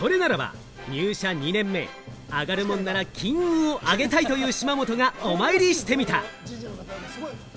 それならば入社２年目、上がるもんなら金運を上げたいという島本がお参りしてみた。